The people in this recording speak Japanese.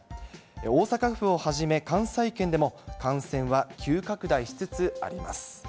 大阪府をはじめ、関西圏でも、感染は急拡大しつつあります。